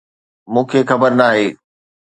مونکي خبر ناهي